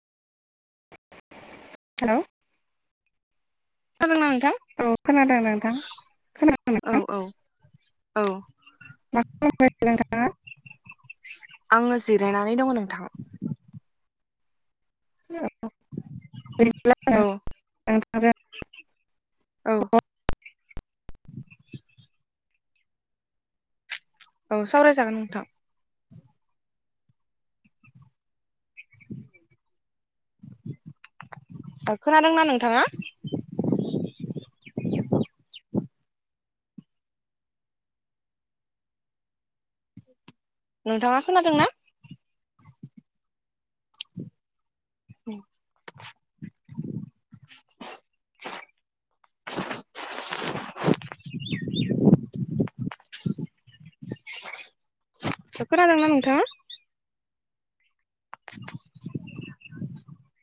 Hello. [inaudible] औ खोनादों नोंथां खोनादों औ नोंथां। औ औ मा [unintelligible] नोंथाङा? आङो जिरायनानै दङ' नोंथां। औ [inaudible] औ [inaudible] औ सावराय जागोन नोंथां। खोनादोंना नोंथाङा? नोंथाङा खोनादों ना? खोनादोंना नोंथाङा? [inaudible]